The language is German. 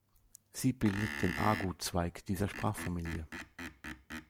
Sie bildet den "Arghu"-Zweig dieser Sprachfamilie.